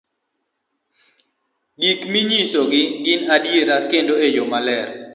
gik manyiso ni gin adiera kendo e yo maler